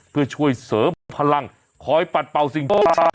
เพื่อช่วยเสริมพลังคอยปัดเป่าสิ่งของ